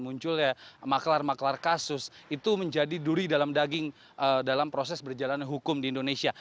munculnya maklar maklar kasus itu menjadi duri dalam daging dalam proses berjalanan hukum di indonesia